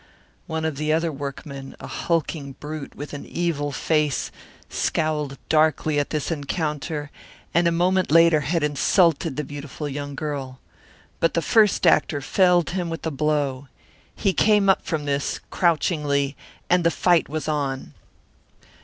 One of the other workmen, a hulking brute with an evil face, scowled darkly at this encounter and a moment later had insulted the beautiful young girl. But the first actor felled him with a blow. He came up from this, crouchingly, and the fight was on.